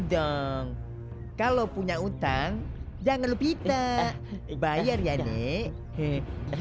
aduh dong kalau punya utang jangan lupa kita bayar ya nek